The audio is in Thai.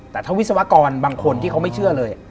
แต่ถ้าวิศวกรบางคนที่เขาไม่เชื่อเลย